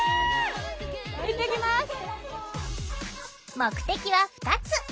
目的は２つ！